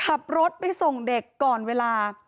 ขับรถไปส่งเด็กก่อนเวลา